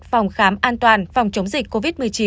phòng khám an toàn phòng chống dịch covid một mươi chín